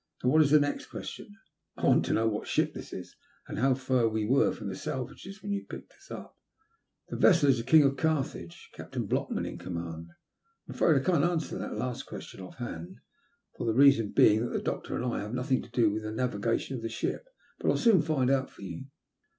Now, what is the next question ?"'' I want to know what ship this is, and how far we were from the Salvages when you picked us up ?"" This vessel is The King of Carthage — Captain Blockman in command. I'm afraid I can't answer your last question offhand, for the reason that, being the doctor, I have nothing to do with the navigation of the ship ; but I'll soon find out for you."